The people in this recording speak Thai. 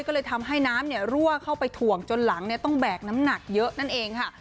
ก็เลยทำให้น้ำรั่วเข้าไปถ่วงจนหลังต้องแบกน้ำหนักเยอะนั่นเองค่ะ